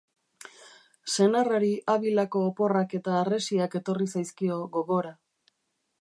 Senarrari Avilako oporrak eta harresiak etorri zaizkio gogora.